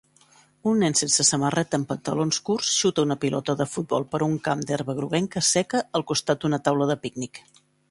Un nen sense samarreta en pantalons curts xuta una pilota de futbol per un camp d'herba groguenca seca al costat d'una taula de pícnic